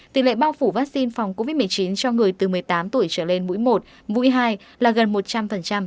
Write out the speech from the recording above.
tỷ lệ bao phủ vaccine phòng covid một mươi chín cho người từ một mươi tám tuổi trở lên mũi một mũi hai là gần một trăm linh